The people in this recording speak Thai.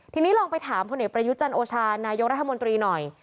ทีนี้ลองไปถามพลเอกประยุจันโอชานายกรัฐมนตรีหน่อย